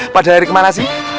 padahal dari kemana sih